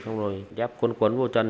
xong rồi giáp cuốn cuốn vô chân